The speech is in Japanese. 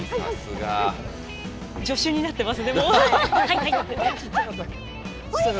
助手になっています。